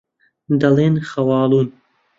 دەڵێن خەواڵوون.